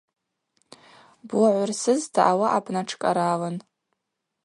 Буагӏвырсызта ауаъа бнатшкӏаралын.